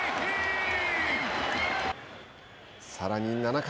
さらに７回。